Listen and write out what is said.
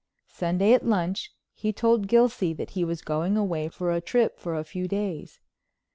Sunday at lunch he told Gilsey that he was going away for a trip for a few days.